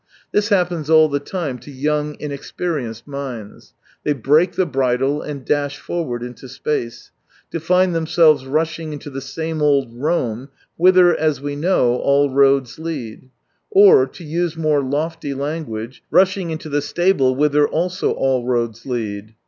This happens all the time to young, inexperienced minds. They break the bridle and dash forward into space, to find themselves rushing into the same old Rome, whither, as we know, all roads lead : or, to use more lofty language, rushing into the stable whither also all roads lead.